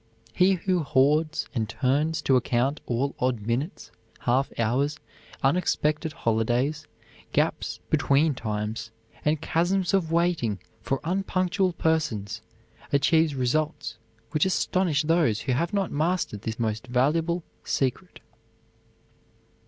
He who hoards and turns to account all odd minutes, half hours, unexpected holidays, gaps "between times," and chasms of waiting for unpunctual persons, achieves results which astonish those who have not mastered this most valuable secret.